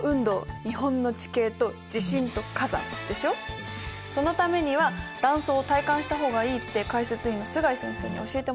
今回のそのためには断層を体感した方がいいって解説委員の須貝先生に教えてもらったんです。